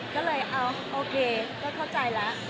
ก็เลยเอาโอเคก็เข้าใจแล้ว